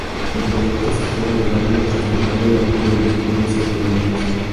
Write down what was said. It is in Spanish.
El proyecto se fue madurando tras lograr el apoyo de clubes y autoridades.